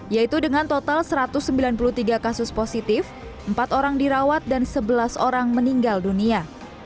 yaitu dengan total satu ratus sembilan puluh tiga kasus positif empat orang dirawat dan sebelas orang meninggal dunia